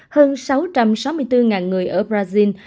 hơn sáu trăm sáu mươi bốn người ở bắc đông